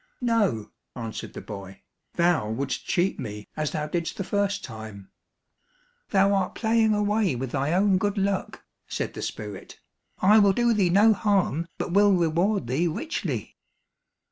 "No," answered the boy, "thou wouldst cheat me as thou didst the first time." "Thou art playing away with thy own good luck," said the spirit; "I will do thee no harm but will reward thee richly."